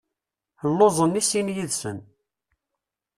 Lluẓen i sin yid-sen.